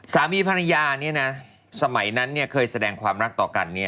สามีภรรยาสมัยนั้นเคยแสดงความรักต่อกัน